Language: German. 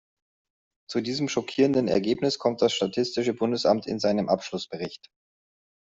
Zu diesem schockierenden Ergebnis kommt das statistische Bundesamt in seinem Abschlussbericht.